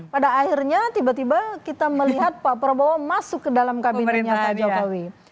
pada akhirnya tiba tiba kita melihat pak prabowo masuk ke dalam kabinetnya pak jokowi